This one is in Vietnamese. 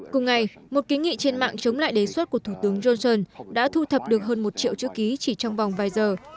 cùng ngày một ký nghị trên mạng chống lại đề xuất của thủ tướng johnson đã thu thập được hơn một triệu chữ ký chỉ trong vòng vài giờ